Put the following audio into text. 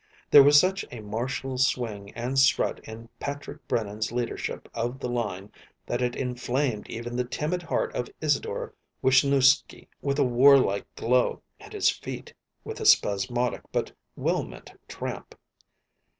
There was such a martial swing and strut in Patrick Brennan's leadership of the line that it inflamed even the timid heart of Isidore Wishnewsky with a war like glow and his feet with a spasmodic but well meant tramp.